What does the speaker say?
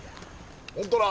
本当だ。